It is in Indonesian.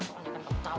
pokoknya tante tau